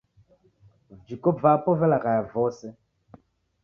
Vijiko vapo velaghaya vose